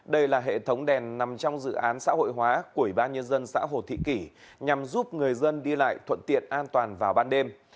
đây là hệ thống đèn nằm trong dự án xã hội hóa của ủy ban nhân dân xã hồ thị kỷ nhằm giúp người dân đi lại thuận tiện an toàn vào ban đêm